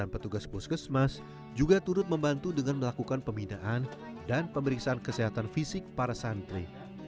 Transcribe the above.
petugas puskesmas juga turut membantu dengan melakukan pembinaan dan pemeriksaan kesehatan fisik para santri